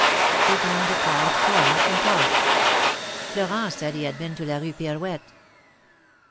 They found a quiet corner, and talked. Florent said he had been to la Rue Pirouette.